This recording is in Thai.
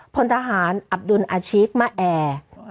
๔พลทหารอับดุลอาชิกมะแอ